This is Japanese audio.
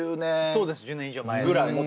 そうです１０年以上前。